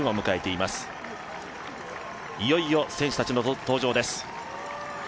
いよいよ、選手たちの登場です。